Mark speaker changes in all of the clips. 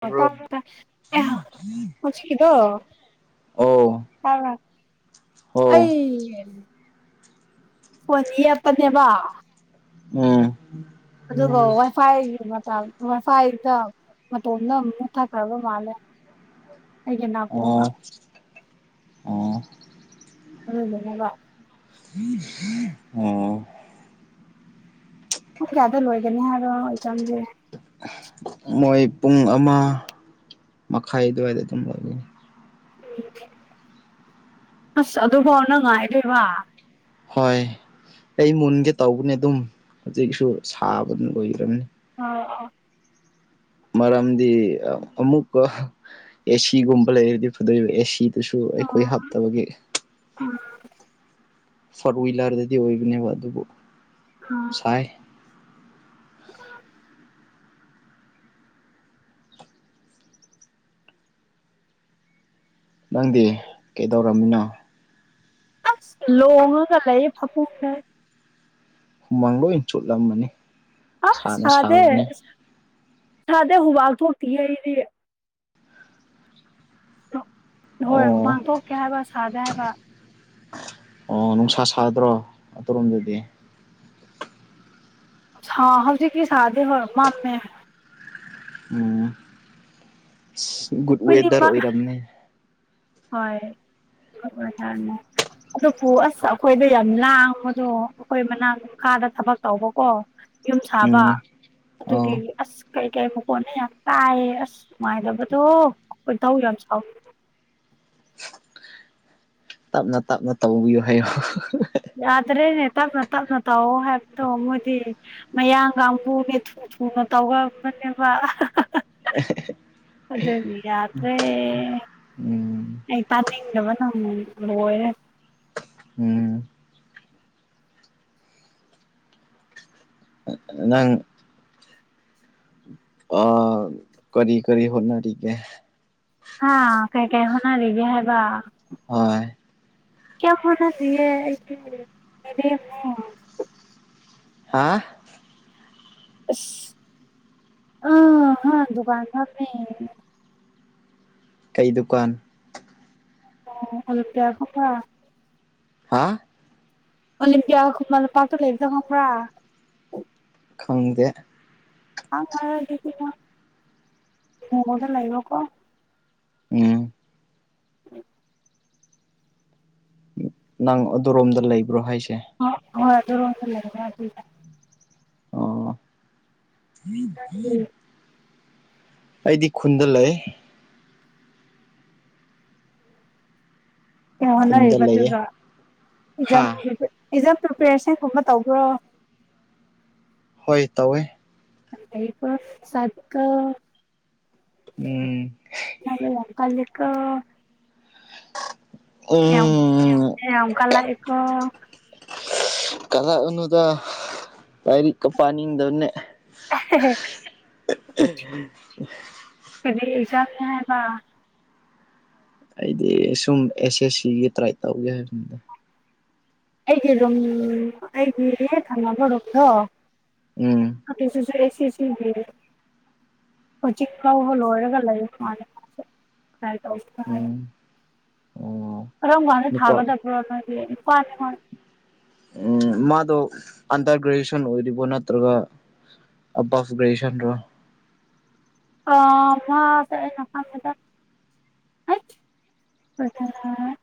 Speaker 1: ꯇꯥꯕ꯭ꯔꯣ
Speaker 2: ꯁꯤꯀꯤ ꯇꯣ
Speaker 1: ꯑꯧ
Speaker 2: ꯇꯥꯕ꯭ꯔꯥ
Speaker 1: ꯑꯧ
Speaker 2: ꯑꯩ ꯋꯥꯠ ꯏꯌꯥꯠꯄꯅꯦꯕꯥ
Speaker 1: ꯎꯝ
Speaker 2: ꯑꯗꯨꯒ ꯋꯥꯏꯐꯥꯏꯒꯤ ꯃꯇꯝ ꯋꯥꯏꯐꯥꯏꯗ ꯃꯇꯣꯝꯗ ꯑꯃꯨꯛ ꯃꯨꯊꯠꯈ꯭ꯔꯕ ꯃꯥꯜꯂꯦ ꯑꯩꯒꯤ ꯅꯥꯀꯣꯡꯅ
Speaker 1: ꯑꯣ ꯑꯣ
Speaker 2: ꯑꯗꯨꯗꯨꯅꯀꯣ
Speaker 1: ꯍ
Speaker 2: ꯑꯣ ꯀꯌꯥꯗ ꯂꯣꯏꯒꯅꯤ ꯍꯥꯏꯔꯣ ꯑꯩ ꯖꯥꯝꯗꯤ
Speaker 1: ꯃꯣꯏ ꯄꯨꯡ ꯑꯃ ꯃꯈꯥꯏ ꯑꯗꯨꯋꯥꯏꯗ ꯑꯗꯨꯝ ꯂꯧꯒꯅꯤ
Speaker 2: ꯑꯁ ꯑꯗꯨ ꯐꯥꯎꯅ ꯉꯥꯏꯗꯣꯏꯕ
Speaker 1: ꯍꯣꯏ ꯑꯩ ꯃꯨꯟꯒꯦ ꯇꯧꯕꯅꯦ ꯑꯗꯨꯝ ꯍꯧꯖꯤꯛꯁꯨ ꯁꯥꯕ ꯑꯣꯏꯈ꯭ꯔꯕꯅꯤ
Speaker 2: ꯑꯣ
Speaker 1: ꯃꯔꯝꯗꯤ ꯑꯃꯨꯛꯀ ꯑꯦꯁꯤꯒꯨꯝꯕ ꯂꯩꯔꯗꯤ ꯐꯗꯣꯛꯏꯕ ꯑꯦꯁꯤ ꯑꯗꯨꯁꯨ ꯑꯩꯈꯣꯏ ꯍꯥꯞꯇꯕꯒꯤ
Speaker 2: ꯎꯝ
Speaker 1: ꯐꯣꯔ ꯍꯋꯤꯂꯔꯗꯗꯤ ꯑꯣꯏꯕꯅꯦꯕ ꯑꯗꯨꯕꯨ
Speaker 2: ꯎꯝ
Speaker 1: ꯁꯥꯏ ꯅꯪꯗꯤ ꯀꯩꯗꯧꯔꯝꯃꯤꯅꯣ
Speaker 2: ꯂꯣꯡꯉꯒ ꯂꯩ ꯐꯃꯨꯡꯗ
Speaker 1: ꯍꯨꯃꯥꯡ ꯂꯣꯏ ꯆꯨꯠꯂꯝꯃꯅꯤ
Speaker 2: ꯑ
Speaker 1: ꯁꯥꯅ
Speaker 2: ꯁꯥꯗꯦ
Speaker 1: ꯁꯥꯕꯅꯦ
Speaker 2: ꯁꯥꯗꯦ ꯍꯨꯃꯥꯡ ꯊꯣꯛꯇꯤꯌꯦ ꯑꯩꯗꯤ ꯍꯣꯏ
Speaker 1: ꯑꯣ
Speaker 2: ꯍꯨꯃꯥꯡ ꯊꯣꯛꯇꯦ ꯍꯥꯏꯕ ꯁꯥꯗꯦ ꯍꯥꯏꯕ
Speaker 1: ꯑꯣ ꯅꯨꯡꯁꯥ ꯁꯥꯗ꯭ꯔꯣ ꯑꯗꯣꯝꯗꯗꯤ
Speaker 2: ꯍ ꯍꯧꯖꯤꯛꯀꯤ ꯁꯥꯗꯦ ꯍꯣꯏ ꯃꯥꯝꯃꯦ
Speaker 1: ꯎꯝ ꯢꯁ ꯒꯨꯗ ꯋꯦꯗꯔ
Speaker 2: ꯈꯨꯗꯤꯡꯃꯛ
Speaker 1: ꯑꯣꯏꯔꯝꯅꯤ
Speaker 2: ꯍꯣꯏ [unintelligible] ꯑꯗꯨꯕꯨ ꯑꯁ ꯑꯩꯈꯣꯏꯗ ꯌꯥꯝ ꯂꯥꯡꯕꯗꯣ ꯑꯩꯈꯣꯏ ꯃꯅꯥꯛ ꯈꯥꯗ ꯊꯕꯛ ꯇꯧꯕꯀꯣ ꯌꯨꯝ ꯁꯥꯕ
Speaker 1: ꯎꯝ
Speaker 2: ꯑꯗꯨꯒꯤ
Speaker 1: ꯑꯣ
Speaker 2: ꯑꯁ ꯀꯩ ꯀꯩ ꯃꯈꯣꯟꯅꯣ ꯌꯥꯝ ꯇꯥꯏꯌꯦ ꯑꯁ ꯅꯨꯡꯉꯥꯏꯗꯕꯗꯣ ꯈꯣꯢꯗꯧ ꯌꯥꯝ ꯁꯥꯎꯅꯤꯡ
Speaker 1: ꯇꯞꯅ ꯇꯞꯅ ꯇꯧꯕꯤꯌꯨ ꯍꯥꯏꯌꯣ
Speaker 2: ꯌꯥꯗ꯭ꯔꯦꯅꯦ ꯇꯞꯅ ꯇꯞꯅ ꯇꯥꯛꯑꯣ ꯍꯥꯏꯕꯗꯣ ꯃꯣꯏꯗꯤ ꯃꯌꯥꯡ ꯀꯥꯡꯕꯨꯒꯤ ꯊꯨ ꯊꯨꯅ ꯇꯧꯕꯅꯦꯕ ꯑꯗꯨꯗꯅꯤ ꯌꯥꯗꯦ
Speaker 1: ꯎꯝ
Speaker 2: ꯑꯩ ꯇꯥꯅꯤꯡꯗꯕ ꯅꯪ ꯂꯣꯏꯔꯦ
Speaker 1: ꯎꯝ ꯅꯪ ꯑ ꯀꯔꯤ ꯀꯔꯤ ꯍꯣꯟꯅꯔꯤꯒꯦ
Speaker 2: ꯍꯥꯥ ꯀꯩ ꯀꯩ ꯍꯣꯠꯅꯔꯤꯒꯦ ꯍꯥꯏꯕ
Speaker 1: ꯍꯣꯏ
Speaker 2: [unintelligible]
Speaker 1: ꯍꯥ
Speaker 2: ꯑꯁ ꯑꯥ ꯍꯥ ꯗꯨꯀꯥꯟ ꯐꯝꯃꯦ
Speaker 1: ꯀꯩ ꯗꯨꯀꯥꯟ
Speaker 2: [unintelligible]
Speaker 1: ꯍꯥ
Speaker 2: ꯑꯣꯂꯦꯝ ꯄꯤꯌꯥ ꯈꯨꯃꯟ ꯂꯝꯄꯥꯛꯇ ꯂꯩꯕꯗꯣ ꯈꯪꯕ꯭ꯔꯥ
Speaker 1: ꯈꯪꯗꯦ
Speaker 2: ꯈꯪꯉꯔꯣꯏ ꯑꯗꯨꯗꯤ ꯅꯪ ꯀꯣꯡꯕꯗ ꯂꯩꯔꯣꯀꯣ
Speaker 1: ꯎꯝ
Speaker 2: ꯎꯝ
Speaker 1: ꯅꯪ ꯑꯗꯨꯔꯣꯝꯗ ꯂꯩꯕ꯭ꯔꯣ ꯍꯥꯏꯁꯦ
Speaker 2: ꯍꯣꯢ ꯍꯣꯏ ꯑꯗꯨꯔꯣꯝꯗ ꯂꯩꯕꯔꯥ ꯑꯈꯣꯢꯁꯦ
Speaker 1: ꯑꯣ
Speaker 2: ꯎꯝ
Speaker 1: ꯑꯩꯗꯤ ꯈꯨꯟꯗ ꯂꯩ
Speaker 2: ꯀꯩ
Speaker 1: ꯈꯨꯟꯗ
Speaker 2: ꯍꯣꯠꯅꯔꯤꯕ
Speaker 1: ꯂꯩꯌꯦ
Speaker 2: ꯑꯗꯨꯗ
Speaker 1: ꯍꯥ
Speaker 2: ꯑꯦꯛꯖꯥꯝ ꯑꯦꯛꯖꯥꯝ ꯄ꯭ꯔꯤꯄꯦꯔꯦꯁꯟꯒꯨꯝꯕ ꯇꯧꯕ꯭ꯔꯣ
Speaker 1: ꯍꯣꯏ ꯇꯧꯋꯦ
Speaker 2: ꯌꯥꯝ ꯅꯩꯀꯣ ꯃꯤ ꯃꯆꯥꯗꯤꯀꯣ
Speaker 1: ꯎꯝ
Speaker 2: ꯍꯣꯠꯅꯕ ꯌꯥꯝ ꯀꯜꯂꯤꯀꯣ ꯌꯥꯝ
Speaker 1: ꯎꯝ
Speaker 2: ꯌꯥꯝ ꯀꯜꯂꯛꯢꯀꯣ
Speaker 1: ꯀꯂꯛꯎꯅꯨꯗ ꯂꯥꯏꯔꯤꯛꯀ ꯄꯥꯅꯤꯡꯗꯝꯅꯦ
Speaker 2: ꯍꯦ ꯍꯦ ꯀꯔꯤ ꯑꯦꯛꯖꯥꯝꯅꯦ ꯍꯥꯢꯕ
Speaker 1: ꯑꯩꯗꯤ ꯁꯨꯝ ꯑꯦꯁ ꯑꯦꯁ ꯁꯤꯒꯤ ꯇ꯭ꯔꯥꯏ ꯇꯧꯒꯦ ꯍꯥꯢꯕꯅꯤꯗ
Speaker 2: ꯑꯩꯒꯤ ꯔꯨꯝ ꯑꯩꯒꯤ ꯍꯦꯛ ꯊꯥꯡꯅꯕ ꯔꯨꯝꯗꯣ
Speaker 1: ꯎꯝ
Speaker 2: ꯑꯗꯨꯁꯨ ꯑꯦꯁ ꯑꯦꯁ ꯁꯤ ꯒꯤ ꯍꯧꯖꯤꯛ ꯐꯥꯎꯕ ꯂꯣꯏꯔꯒ ꯂꯩꯕ ꯃꯥꯜꯂꯦ ꯃꯥꯁꯨ ꯇ꯭ꯔꯥꯢ ꯇꯧꯕꯅꯣ ꯍꯥꯢꯔ
Speaker 1: ꯎꯝ ꯑꯣ
Speaker 2: ꯀꯔꯝꯀꯥꯟꯗ
Speaker 1: ꯅꯨꯄꯥ
Speaker 2: ꯊꯥꯒꯗꯕ꯭ꯔꯣ ꯅꯣꯢꯗꯤ ꯄꯥꯅ
Speaker 1: ꯎꯝ ꯃꯥꯗꯣ ꯑꯟꯗꯔ ꯒ꯭ꯔꯦꯖꯨꯑꯦꯁꯟ ꯑꯣꯏꯔꯤꯕꯣ ꯅꯠꯇ꯭ꯔꯒ ꯑꯕꯞ ꯒ꯭ꯔꯦꯖꯨꯑꯦꯁꯟ ꯔꯣ
Speaker 2: ꯑꯥ ꯃꯥꯁꯦ ꯑꯩꯅ ꯈꯟꯕꯗ ꯍꯩꯁ ꯑꯗꯨꯔꯥ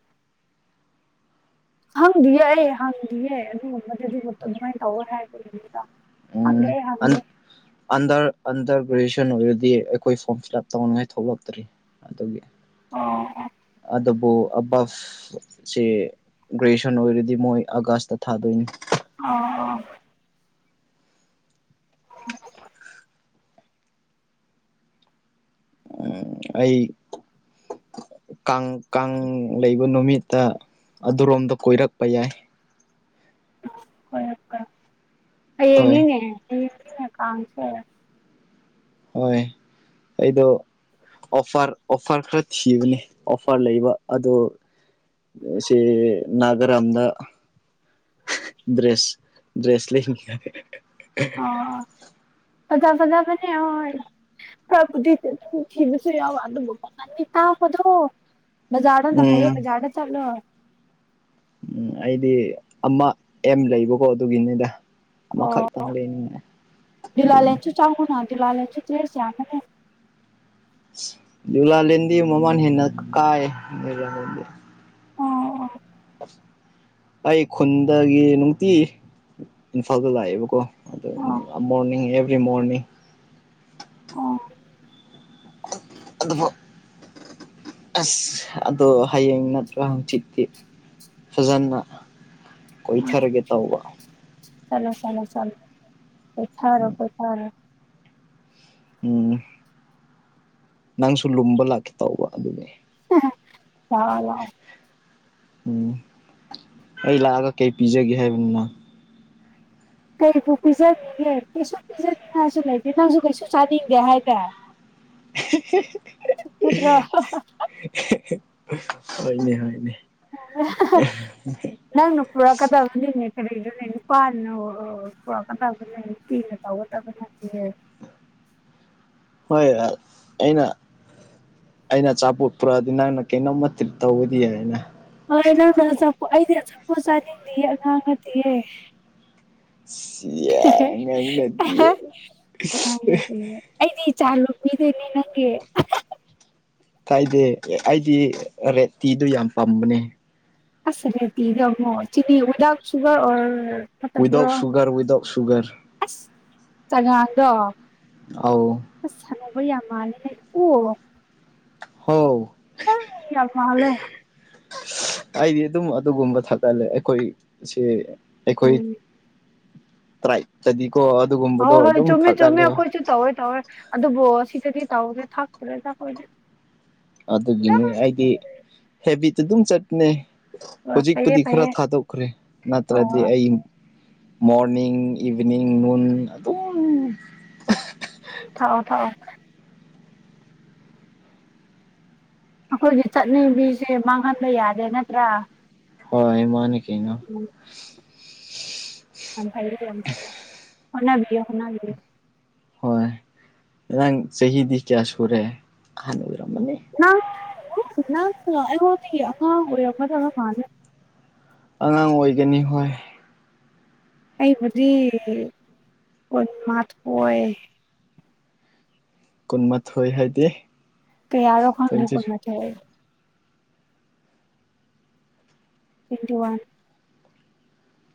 Speaker 2: ꯈꯪꯗꯤꯌꯦ ꯑꯩ ꯍꯪꯗꯤꯌꯦ ꯑꯗꯨꯒꯨꯝꯕꯗꯨꯗꯤ ꯑꯗꯨꯃꯥꯏꯅ ꯇꯧꯋꯦ ꯍꯥꯏꯕꯒꯤꯔ ꯈꯪꯗꯦ
Speaker 1: ꯎꯝ
Speaker 2: ꯑꯩ ꯍꯪꯗꯦ
Speaker 1: ꯑꯟꯗꯔ ꯑꯟꯗꯔ ꯒ꯭ꯔꯦꯖꯨꯑꯦꯁꯟ ꯑꯣꯏꯔꯗꯤ ꯑꯩꯈꯣꯏ ꯐꯣꯔꯝ ꯐꯤꯜ ꯑꯞ ꯇꯧꯅꯤꯡꯉꯥꯏ ꯊꯣꯛꯂꯛꯇ꯭ꯔꯤ ꯑꯗꯨꯒꯤ
Speaker 2: ꯑꯣ
Speaker 1: ꯑꯗꯨꯕꯨ ꯑꯕꯞ ꯁꯦ ꯒ꯭ꯔꯦꯖꯨꯌꯦꯁꯟ ꯑꯣꯏꯔꯗꯤ ꯃꯣꯏ ꯑꯥꯒꯁꯇ ꯊꯥꯗꯣꯏꯅꯤ
Speaker 2: ꯑꯣ ꯑꯣ [inaudible]
Speaker 1: ꯑꯝ ꯑꯩ ꯀꯥꯡ ꯀꯥꯡ ꯂꯩꯕ ꯅꯨꯃꯤꯠ ꯇ ꯑꯗꯨꯔꯣꯝꯗ ꯀꯣꯏꯔꯛꯄ ꯌꯥꯏ
Speaker 2: ꯀꯣꯢꯔꯛꯀꯦ
Speaker 1: ꯍꯣꯏ
Speaker 2: ꯍꯌꯦꯡꯅꯤꯅꯦ ꯍꯌꯦꯡꯅꯤꯅꯦ ꯀꯥꯡꯁꯦ
Speaker 1: ꯍꯣꯏ ꯑꯩꯗꯣ ꯑꯣꯐꯔ ꯑꯣꯐꯔ ꯈꯔ ꯊꯤꯕꯅꯤ ꯑꯣꯐꯔ ꯂꯩꯕ ꯑꯗꯣ ꯑꯁꯤ ꯅꯥꯒꯥꯔꯝꯗ ꯗ꯭ꯔꯦꯁ ꯗ꯭ꯔꯦꯁ ꯂꯩꯅꯤꯡꯉꯥꯢ
Speaker 2: ꯑꯣ ꯐꯖ ꯐꯖꯕꯅꯦ ꯍꯣꯏ ꯈꯔꯥꯕꯨꯗꯤ ꯑꯗꯨꯝ ꯊꯤꯕꯁꯨ ꯌꯥꯎꯏ ꯑꯗꯨꯕꯨ ꯄꯥꯡꯒꯟꯗꯤ ꯇꯥꯕꯗꯣ ꯕꯖꯥꯔꯗꯥꯅ ꯐꯩꯌꯦ
Speaker 1: ꯎꯝ
Speaker 2: ꯕꯖꯥꯔꯗꯥ ꯆꯠꯂꯣ
Speaker 1: ꯎꯝ ꯑꯩꯗꯤ ꯑꯃ ꯑꯦꯝ ꯂꯩꯕꯀꯣ ꯑꯗꯨꯒꯤꯅꯤꯗ ꯑꯃ
Speaker 2: ꯑꯣ
Speaker 1: ꯈꯛꯇꯪ ꯂꯩꯅꯤꯡꯉꯦ ꯑꯗꯨ
Speaker 2: ꯆꯪꯒꯨꯅꯥ ꯗꯨꯂꯥꯂꯦꯟꯁꯨ ꯗ꯭ꯔꯦꯁ ꯌꯥꯝꯕꯅꯦ
Speaker 1: ꯂꯂ ꯂꯗꯤ ꯃꯃ ꯍꯦꯅ ꯀꯥꯏ ꯂ ꯂꯗꯤ
Speaker 2: ꯑꯣ
Speaker 1: ꯑꯩ ꯈꯨꯟꯗꯒꯤ ꯅꯨꯡꯇꯤ ꯏꯝꯐꯥꯜꯗ ꯂꯥꯛꯑꯦꯕꯀꯣ ꯑꯗꯨ
Speaker 2: ꯑꯣ
Speaker 1: ꯃꯣꯔꯅꯤꯡ ꯑꯦꯕ꯭ꯔꯤ ꯃꯣꯔꯅꯤꯡ
Speaker 2: ꯑꯣ
Speaker 1: ꯑꯗꯨ ꯑꯁ ꯑꯗꯣ ꯍꯌꯦꯡ ꯅꯠꯇ꯭ꯔꯣ ꯍꯪꯆꯤꯠꯇꯤ ꯐꯖꯅ ꯀꯣꯏꯊꯔꯒꯦ ꯇꯧꯕ
Speaker 2: ꯆꯂꯣ ꯆꯂꯣ ꯆꯂꯣ ꯄꯩ ꯊꯥꯔꯣ ꯀꯣꯏ ꯊꯥꯔꯣ
Speaker 1: ꯎꯝ ꯅꯪꯁꯨ ꯂꯨꯝꯕ ꯂꯥꯛꯀꯦ ꯇꯧꯕ ꯑꯗꯨꯅꯤ
Speaker 2: ꯂꯥꯛꯑꯣ ꯂꯥꯛꯑꯣ
Speaker 1: ꯎꯝ ꯑꯩ ꯂꯥꯛꯑꯒ ꯀꯩ ꯄꯤꯖꯒꯦ ꯍꯥꯏꯕꯅꯣ
Speaker 2: ꯀꯩꯕꯨ ꯄꯤꯖꯅꯦꯒꯦ ꯀꯩꯁꯨ ꯄꯤꯖꯅꯤꯡꯉꯥꯏꯁꯨ ꯂꯩꯇꯦ ꯅꯪꯁꯨ ꯀꯩꯁꯨ ꯆꯥꯅꯤꯡꯗꯦ ꯍꯥꯏꯗꯥꯏ ꯅꯠꯇ꯭ꯔꯣ
Speaker 1: ꯍꯣꯏꯅꯦ ꯍꯣꯏꯅꯦ
Speaker 2: ꯅꯪꯅ ꯄꯨꯔꯛꯀꯗꯕꯅꯤꯅꯦ ꯀꯔꯤꯅꯣꯅꯦ ꯅꯄꯥꯥꯅ ꯛꯀꯗꯕꯅꯦ ꯀ ꯇꯒꯗꯕꯦ
Speaker 1: ꯍꯣꯏ ꯑꯩꯅ ꯑꯩꯅ ꯑꯆꯥꯄꯣꯠ ꯄꯨꯔꯛꯑꯗꯤ ꯅꯪꯅ ꯀꯩꯅꯣꯝꯃ ꯇ꯭ꯔꯤꯠ ꯇꯧꯕꯗꯤ ꯌꯥꯏꯅ
Speaker 2: ꯍꯣꯏ ꯅꯪꯅ ꯑꯆꯥꯛꯄ ꯑꯩꯗꯤ ꯑꯆꯛꯄ ꯆꯥꯅꯤꯡꯗꯌꯦ ꯑꯉꯥꯡ ꯅꯗꯤꯌꯦꯦ
Speaker 1: ꯎ
Speaker 2: ꯦ ꯑꯩꯗꯤ ꯏꯆꯥ ꯂꯣꯄꯤꯗꯣꯏꯅꯦ ꯅꯪꯒꯤ
Speaker 1: ꯀꯥꯏꯗꯦ ꯑꯩꯗꯤ ꯔꯦꯠ ꯇꯤꯗꯣ ꯌꯥꯝ ꯄꯥꯝꯕꯅꯦ
Speaker 2: ꯑ ꯔꯦꯗꯤꯤꯣ ꯆ ꯋꯗꯥꯥꯛ ꯁꯨꯒꯔ ꯑꯣ
Speaker 1: ꯋꯤꯗꯥꯥꯎꯠ ꯁꯨꯒꯔ ꯋꯤꯗꯥꯥꯎꯠ ꯁꯨꯒꯔ
Speaker 2: ꯑꯁ ꯆꯒꯗ
Speaker 1: ꯑꯥꯎ
Speaker 2: ꯑꯁ ꯁꯅꯧꯕ ꯌꯥꯝ ꯃꯥꯂꯦ ꯑꯣ
Speaker 1: ꯍ
Speaker 2: ꯌꯥꯝ ꯃꯥꯜꯂꯦ
Speaker 1: ꯑꯩꯗꯤ ꯑꯗꯨꯝ ꯑꯗꯨꯒꯨꯝꯕ ꯊꯒꯠꯂꯦ ꯑꯩꯈꯣꯏꯁꯦ ꯑꯩꯈꯣꯏ
Speaker 2: ꯎꯝ
Speaker 1: ꯇꯔꯥ ꯆꯗꯤꯀꯣ ꯑꯗꯨꯒꯨꯝꯕ
Speaker 2: ꯍꯣꯏ ꯍꯣꯏ ꯆꯨꯝꯃꯦ ꯆꯨꯝꯃꯦ ꯑꯩꯈꯣꯏꯁꯨ ꯇꯧꯋꯦ ꯇꯧꯋꯦ ꯑꯗꯨꯕꯨ ꯁꯤꯗꯗꯤ ꯇꯧꯔꯦ ꯊꯥꯛꯇ꯭ꯔꯦꯣꯏ
Speaker 1: ꯑꯗꯨꯒꯤꯅꯤ ꯑꯩꯗꯤ ꯍꯦꯕꯤꯠ ꯑꯗꯨꯝ ꯆꯠꯅꯦ
Speaker 2: ꯑꯣ ꯐꯩꯌꯦ
Speaker 1: ꯍꯧꯖꯤꯛꯄꯨꯗꯤ ꯈꯔ
Speaker 2: ꯐꯩꯌꯦ
Speaker 1: ꯊꯥꯗꯣꯛ ꯈ꯭ꯔꯦ
Speaker 2: ꯍꯣꯏ
Speaker 1: ꯅꯠꯇ꯭ꯔꯗꯤ
Speaker 2: ꯍꯣꯏ
Speaker 1: ꯑꯩ ꯃꯣꯔꯅꯤꯡ ꯏꯚꯤꯅꯤꯡ ꯅꯨꯡꯟ ꯑꯗꯨ
Speaker 2: ꯊꯥꯎ ꯊꯥꯎ ꯑꯩꯈꯣꯏꯒꯤ ꯆꯠꯅꯕꯤꯁꯦ ꯃꯥꯡꯍꯟꯕ ꯌꯥꯗꯦ ꯅꯠꯇ꯭ꯔꯥ
Speaker 1: ꯍ ꯏꯃ ꯀ
Speaker 2: ꯐ ꯐ ꯍꯅꯕꯤ ꯍꯅꯕꯤ
Speaker 1: ꯍꯣꯏ ꯉꯔꯥꯡ ꯆꯍꯤꯗꯤ ꯀꯌꯥ ꯁꯨꯔꯦ ꯍꯍꯥꯟꯅ ꯑꯣꯏꯔꯝꯃꯅꯤ
Speaker 2: ꯉꯣꯈꯥ ꯑꯣꯏꯈꯥ ꯐꯥꯅꯤ
Speaker 1: ꯑꯉꯥꯡ ꯑꯣꯏꯒꯅꯤ ꯍꯣꯏ
Speaker 2: ꯑꯩꯕꯗꯤꯣꯏ ꯃꯥꯃꯊ ꯀꯣꯏ
Speaker 1: ꯀꯨꯟꯃꯥꯊꯣꯏ ꯍꯥꯏꯗꯤ
Speaker 2: ꯀꯩꯔꯣ ꯈꯅꯤ
Speaker 1: ꯇ꯭ꯋꯦꯟꯇꯤ
Speaker 2: ꯄ ꯆ ꯊ ꯋꯥ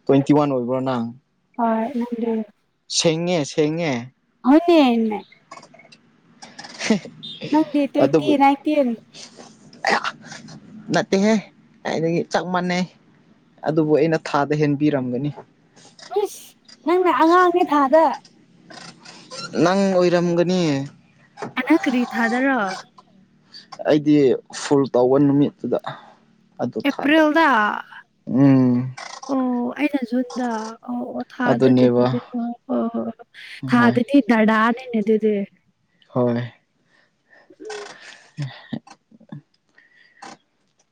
Speaker 1: ꯇ꯭ꯋꯦꯟꯇꯤ ꯋꯥꯟ ꯑꯣꯏꯕ꯭ꯔꯣ ꯅꯪ
Speaker 2: ꯍ ꯅ
Speaker 1: ꯁꯦꯡꯉꯦ ꯁꯉꯦ
Speaker 2: ꯍꯧꯗꯤ ꯅꯪꯗꯤ ꯇ꯭ꯋꯦꯟꯇꯤ
Speaker 1: ꯑꯗꯨꯕꯨ
Speaker 2: ꯅꯥꯏꯟꯇꯤꯟ
Speaker 1: ꯅꯠꯇꯦꯍꯦ ꯑꯗꯨꯗꯒꯤ ꯆꯞ ꯃꯥꯟꯅꯩ ꯑꯗꯨꯕꯨ ꯑꯩꯅ ꯊꯥꯗ ꯍꯦꯟꯕꯤꯔꯝꯒꯅꯤ
Speaker 2: ꯏꯁꯁ ꯅꯪꯅꯦ ꯑꯉꯥꯡꯅꯦ ꯊꯥꯗ
Speaker 1: ꯅꯪ ꯑꯣꯏꯔꯝꯒꯅꯤ
Speaker 2: ꯍꯟꯛꯛꯇꯗꯤ ꯊꯥꯗꯔꯣ
Speaker 1: ꯑꯩꯗꯤ ꯐꯨꯜ ꯇꯧꯕ ꯅꯨꯃꯤꯠꯇꯨꯗ ꯑꯗꯨ ꯊꯥꯗ
Speaker 2: ꯑꯦꯄ꯭ꯔꯤꯜꯗ
Speaker 1: ꯎꯝ
Speaker 2: ꯑꯣ ꯑꯩꯅ ꯖꯨꯟꯗ ꯑꯣ ꯑꯣ
Speaker 1: ꯑꯗꯨꯅꯦꯕ
Speaker 2: ꯊꯥꯗꯗꯤꯗꯤ ꯍ ꯍ
Speaker 1: ꯍꯣꯏ
Speaker 2: ꯊꯥꯗꯗꯤ ꯗꯗꯥꯥꯅꯤꯅꯦ ꯑꯗꯨꯗꯤ
Speaker 1: ꯍꯣꯏ
Speaker 2: ꯎꯝ
Speaker 1: [unintelligible]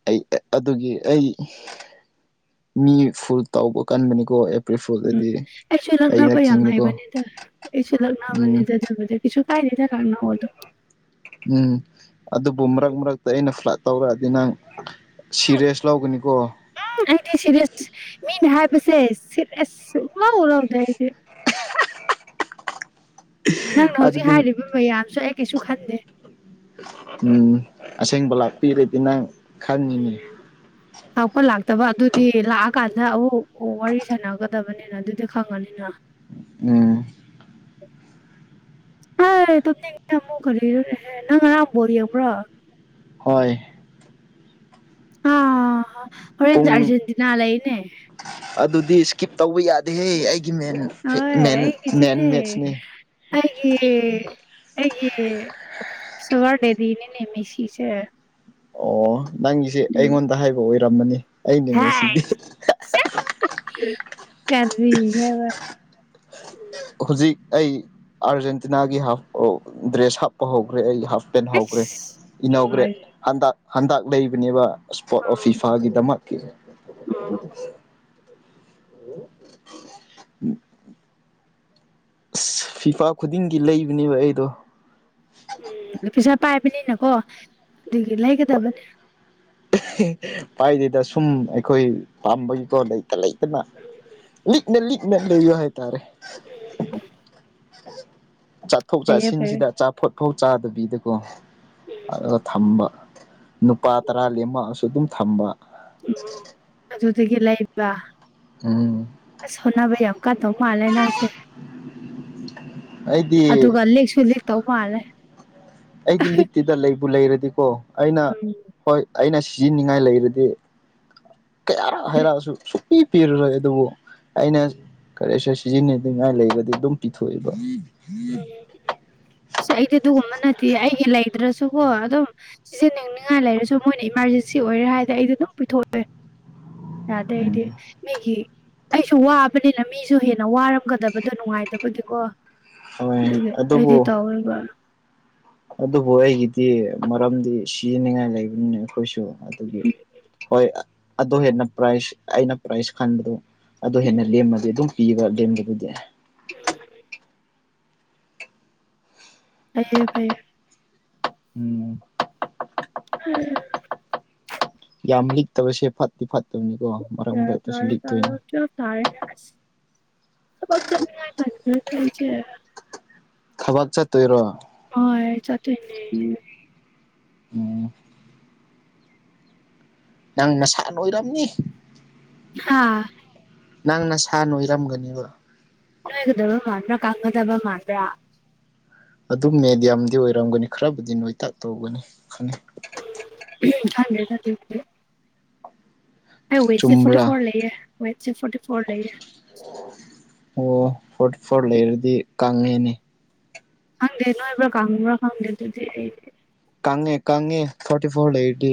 Speaker 1: ꯑꯩ ꯑꯗꯨꯒꯤ ꯑꯩ ꯃꯤ ꯐꯨꯜ ꯇꯥꯎꯧꯕ ꯀꯟꯕꯅꯤꯀꯣ
Speaker 2: ꯎꯝ
Speaker 1: ꯐꯨꯜꯗꯗꯤ
Speaker 2: ꯑꯩꯁꯨ
Speaker 1: ꯑꯩꯅ
Speaker 2: ꯂꯛꯅꯕ ꯌꯥꯝ
Speaker 1: ꯀꯤꯅꯤꯀꯣ
Speaker 2: ꯍꯥꯏꯕꯅꯤꯗ ꯑꯩꯁꯨ
Speaker 1: ꯎꯝ
Speaker 2: ꯂꯛꯅꯕꯅꯤꯗ ꯑꯗꯨꯗꯤ ꯏꯁꯨ ꯀꯥꯏ ꯅ ꯊ ꯀꯥꯟꯅ ꯑꯣꯗꯣ
Speaker 1: ꯎꯝ ꯑꯗꯨꯕꯨ ꯃꯔꯛ ꯃꯔꯛꯇ ꯑꯩꯅ ꯇꯧꯔꯛꯑꯗꯤ ꯅꯪ ꯁꯤꯔꯦꯁ ꯂꯧꯒꯅꯤꯀꯣ
Speaker 2: ꯎꯝ ꯑꯩꯗꯤ ꯁꯤꯦꯔꯤꯌꯁ ꯃꯤꯅ ꯍꯥꯏꯕꯁꯦ ꯁꯤꯦꯔꯤꯌꯁ ꯎꯔꯥꯎꯔꯥꯎꯗꯦ ꯑꯩꯗꯤ ꯅꯪꯅ ꯍꯧꯖꯤꯛ
Speaker 1: ꯑꯗꯨꯗꯤ
Speaker 2: ꯍꯥꯏꯔꯤꯕ ꯃꯌꯥꯝꯁꯨ ꯑꯩ ꯀꯩꯁꯨ ꯈꯟꯗꯦ
Speaker 1: ꯎꯝ ꯑꯁꯦꯡꯕ ꯂꯥꯛꯄꯤꯔꯗꯤ ꯅꯪ ꯈꯪꯉꯤꯅꯦ
Speaker 2: [unintelligible] ꯂꯥꯛꯄ ꯂꯥꯛꯇꯕ ꯑꯗꯨꯗꯤ ꯂꯥꯛꯑꯀꯥꯟꯗ ꯑꯃꯨꯛ ꯋꯥꯔꯤ ꯁꯥꯟꯅꯒꯗꯕꯅꯤꯅ ꯑꯗꯨꯗꯤ ꯈꯪꯉꯅꯤꯅ
Speaker 1: ꯎꯝ
Speaker 2: [unintelligible] ꯍ ꯇꯞꯅꯤꯡꯉꯦ ꯇꯝꯃꯨꯛ ꯀꯔꯤꯦ ꯅꯪ ꯉꯔꯥꯡꯕꯣꯔ ꯌꯦꯡꯕ꯭ꯔꯣ
Speaker 1: ꯍꯣꯏ
Speaker 2: ꯑ ꯍꯣꯔꯦꯟ
Speaker 1: ꯄꯨꯡ
Speaker 2: ꯑꯔꯖꯦꯟꯇꯤꯅꯥ ꯂꯩꯅꯦ
Speaker 1: ꯑꯗꯨꯗꯤ ꯏꯁ꯭ꯀꯤꯞ ꯇꯧꯕ ꯌꯥꯗꯦꯍꯦ ꯑꯩꯒꯤ ꯃꯦꯟ
Speaker 2: ꯍꯣꯏ
Speaker 1: ꯃꯦꯟ ꯃꯦꯟ ꯃꯦꯠꯁꯅꯤ
Speaker 2: ꯑꯩꯦ ꯑꯩꯒꯤ ꯁꯋꯥꯗꯦꯗꯤꯅꯦꯅꯦꯃꯤꯁꯤꯁꯦ
Speaker 1: ꯑꯣ ꯅꯪꯒꯤꯁꯦ ꯑꯩꯉꯣꯟꯗ ꯍꯥꯏꯕ ꯑꯣꯏꯔꯝꯃꯅꯤ ꯑꯩ ꯅꯤꯡꯉ ꯁꯤꯗꯤ
Speaker 2: ꯀ ꯍꯥꯏꯕ
Speaker 1: ꯍꯧꯖꯤꯛ ꯑꯩ ꯑꯥꯔꯖꯦꯟꯇꯤꯅꯥꯒꯤ ꯍꯥꯐ ꯗ꯭ꯔꯦꯁ ꯍꯥꯞꯄ ꯍꯧꯈ꯭ꯔꯦ ꯑꯩ ꯍꯥꯞ ꯄꯦꯟꯍꯈ꯭ꯔꯦ
Speaker 2: ꯑꯁ
Speaker 1: ꯏꯍꯧꯈ꯭ꯔꯦ
Speaker 2: ꯅꯨꯡꯉꯥꯏ
Speaker 1: ꯍꯟꯗ ꯍꯟꯇꯛ ꯂꯩꯕꯅꯦꯕ ꯏꯁꯄꯠ
Speaker 2: ꯎꯝ
Speaker 1: ꯑꯣꯐꯤꯐꯥꯒꯤꯗꯃꯛꯀꯤ
Speaker 2: ꯎꯝ
Speaker 1: ꯑꯁ ꯐꯤꯐꯥ ꯈꯨꯗꯤꯡꯒꯤ ꯂꯩꯕꯅꯦꯕ ꯑꯩꯗꯣ
Speaker 2: ꯎꯝ ꯑꯗꯨ ꯄꯩꯁꯥ ꯄꯥꯏꯕꯅꯤꯅꯀꯣ ꯑꯗꯨꯒꯤ ꯂꯩꯒꯗꯕꯅꯤ
Speaker 1: ꯄꯥꯏꯗꯣꯏꯗ ꯁꯨꯝ ꯑꯩꯈꯣꯏ ꯄꯥꯝꯕꯒꯤꯀꯣ ꯂꯩꯇ ꯂꯩꯇꯅ ꯂꯤꯅꯦ ꯂꯤꯅꯦ ꯂꯩꯣ ꯍꯥꯏꯇꯥꯔꯦ
Speaker 2: ꯎ
Speaker 1: ꯆꯥꯠꯊꯣꯛ
Speaker 2: ꯐꯩꯌꯦ
Speaker 1: ꯆꯥꯁꯤꯟꯁꯤꯗ ꯑꯆꯥꯄꯣꯠ ꯐꯥꯎ ꯆꯥꯗꯕꯤꯗꯀꯣ ꯑꯗꯨꯒ ꯊꯝꯕ ꯅꯨꯄꯥ ꯇꯔꯥ ꯂꯦꯝꯃꯛꯑꯁꯨ ꯑꯗꯨꯝ ꯊꯝꯕ
Speaker 2: ꯎꯝꯖꯒ ꯂ ꯏꯕ
Speaker 1: ꯎꯝ
Speaker 2: ꯁꯣꯅꯥꯕꯌꯥ ꯀꯥꯇꯧ ꯃꯥꯂ ꯅꯁꯦ
Speaker 1: ꯑꯩꯗꯤ
Speaker 2: ꯑꯗꯨꯒ ꯂꯤꯦꯛꯁꯨ ꯂꯤꯦꯛ ꯇꯧ ꯃꯥꯥꯜꯂꯦ
Speaker 1: ꯑꯩꯗꯤ ꯂꯤꯛꯇꯨꯗ ꯂꯩꯕꯨ ꯂꯩꯔꯗꯤꯀꯣ ꯑꯩꯅ
Speaker 2: ꯎꯝ
Speaker 1: ꯍꯣꯏ ꯑꯩꯅ ꯁꯤꯖꯤꯅꯤꯡꯉꯥꯏ ꯂꯩꯔꯗꯤ ꯀꯌꯥꯔ ꯍꯥꯏꯔꯛꯑꯁꯨ ꯁ ꯄꯤ ꯄꯤꯔꯔꯣꯏ ꯑꯗꯨꯕꯨ ꯑꯩꯅ ꯀꯔꯁꯨꯔ ꯁꯤꯖꯤꯟꯅꯩꯗꯉꯥꯏ ꯂꯩꯕꯗꯤ ꯑꯗꯨꯝ ꯄꯤꯊꯣꯛꯑꯦꯕ
Speaker 2: ꯑꯁ ꯑꯩꯗꯤ ꯑꯗꯨꯒꯨꯝꯕ ꯅꯠꯇꯦ ꯑꯩꯒꯤ ꯂꯩꯗ꯭ꯔꯁꯨꯀꯣ ꯑꯗꯨꯝ ꯁꯤꯖꯟꯅꯅꯤꯡꯅꯤꯡꯉꯥꯏ ꯂꯩꯔꯁꯨ ꯃꯣꯏꯅ ꯏꯃꯥꯔꯖꯦꯟꯁꯤ ꯑꯣꯏꯔꯦ ꯍꯥꯏꯗꯤ ꯑꯩꯗꯤ ꯑꯗꯨꯝ ꯄꯨꯊꯣꯛꯑꯣꯦ ꯑꯗ ꯍꯥꯏꯗꯤ ꯃꯤꯒꯤ ꯑꯩꯁꯨ ꯋꯥꯕꯅꯤꯅ ꯃꯤꯁꯨ ꯍꯦꯟꯅ ꯋꯥꯔꯝꯒꯗꯕꯗꯣ ꯅꯨꯡꯉꯥꯏꯇꯕꯒꯤꯀꯣ
Speaker 1: ꯍꯣꯏ
Speaker 2: ꯑꯗꯨꯒꯤ ꯑꯩꯗꯤ
Speaker 1: ꯑꯗꯨꯕꯨ
Speaker 2: ꯇꯧꯔꯤꯕ
Speaker 1: ꯑꯗꯨꯕꯨ ꯑꯩꯒꯤꯗꯤ ꯃꯔꯝꯗꯤ ꯁꯤꯖꯤꯅꯤꯡꯉꯥꯏ ꯂꯩꯕꯅꯤꯅꯦ ꯑꯩꯈꯣꯏꯁꯨ ꯑꯗꯨꯒꯤ
Speaker 2: ꯎꯝ
Speaker 1: ꯍꯣꯏ ꯑꯗꯨ ꯍꯦꯟꯅ ꯄ꯭ꯔꯥꯏꯖ ꯑꯩꯅ ꯄ꯭ꯔꯥꯏꯖ ꯈꯟꯕꯗꯣ ꯑꯗꯨ ꯍꯦꯟꯅ ꯂꯦꯝꯃꯗꯤ ꯑꯗꯨꯝ ꯄꯤꯕ ꯂꯦꯝꯕꯗꯨꯗꯤ
Speaker 2: [inaudible] ꯐꯌꯦ ꯐꯌꯦ
Speaker 1: ꯎꯝ
Speaker 2: ꯎꯝ
Speaker 1: ꯌꯥꯝ ꯂꯤꯛꯇꯕꯁꯦ ꯐꯠꯇꯤ ꯐꯠꯇꯕꯅꯤꯀꯣ ꯃꯔꯛ ꯃꯔꯛꯇꯁꯨ ꯂꯤꯛꯇꯣꯏꯅꯤ
Speaker 2: ꯇꯉ ꯇ ꯍꯥꯏꯦ
Speaker 1: ꯊꯕꯛ ꯆꯠꯇꯣꯏꯔꯣ
Speaker 2: ꯍ ꯆꯇꯦꯅꯦ
Speaker 1: ꯑꯣꯝ ꯅꯪ ꯅꯁꯥ ꯂꯣꯏꯔꯝꯅꯤ
Speaker 2: ꯍꯥ
Speaker 1: ꯅꯪꯅ ꯁꯥꯥꯟ ꯅꯣꯏꯔꯝꯒꯅꯦꯕ
Speaker 2: ꯅꫭꯏꯒꯗꯕ ꯃꯥꯟꯕ꯭ꯔ ꯀꯪꯒꯗꯕ ꯃꯥꯟꯕ꯭ꯔ
Speaker 1: ꯑꯗꯨꯝ ꯃꯦꯗꯤꯌꯝꯗꯤ ꯑꯣꯏꯔꯝꯒꯅꯤ ꯈꯔꯕꯨꯗꯤ ꯅꯣꯏꯇꯥꯛ ꯇꯧꯒꯅꯤ ꯈꯪꯉꯦ
Speaker 2: [unintelligible] ꯑꯩ ꯋꯦꯠꯁꯦ ꯐꯣꫪꯇꯤ
Speaker 1: ꯆꯨꯝꯕ꯭ꯔꯥ
Speaker 2: ꯐꯣꫪ ꯂꯩꯑꯌꯦ ꯋꯦꯠꯁꯦ ꯐꯣꫪꯇꯤ ꯐꯣꫪ ꯂꯩꯌꯦ
Speaker 1: ꯑꯣ ꯐꯣꫪꯇꯤꯐꫭꫪ ꯂꯩꯔꯗꯤ ꯀꯪꯉꯦꯅꯦ
Speaker 2: ꯈꯪꯗꯦ ꯅꯣꯏꯕ꯭ꯔ ꯀꯥꯡꯉꯨꯕ꯭ꯔ ꯈꯪꯗꯦ ꯑꯗꯨꯗꯤ ꯑꯩꯗꯤ
Speaker 1: ꯀꯪꯉꯦ ꯀꯪꯉꯦ ꯐꯣꫪꯇꯤ ꯐꯣꯔ ꯂꯩꯔꯗꯤ